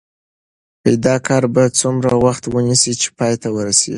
دا کار به څومره وخت ونیسي چې پای ته ورسیږي؟